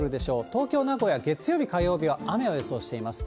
東京、名古屋、月曜日、火曜日は雨を予想しています。